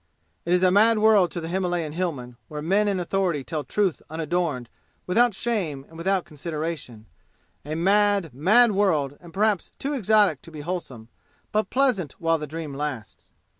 It is a mad world to the Himalayan Hillman where men in authority tell truth unadorned without shame and without consideration a mad, mad world, and perhaps too exotic to be wholesome, but pleasant while the dream lasts.